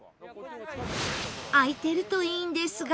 開いてるといいんですが